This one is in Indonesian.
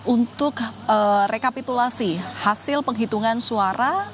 untuk rekapitulasi hasil penghitungan suara